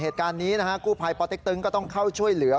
เหตุการณ์นี้นะฮะกู้ภัยปเต็กตึงก็ต้องเข้าช่วยเหลือ